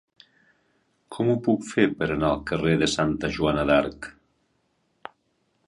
Com ho puc fer per anar al carrer de Santa Joana d'Arc?